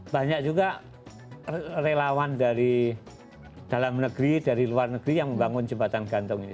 banyak juga relawan dari dalam negeri dari luar negeri yang membangun jembatan gantung ini